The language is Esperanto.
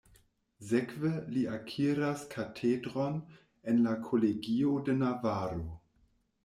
Sekve, li akiras katedron en la Kolegio de Navaro.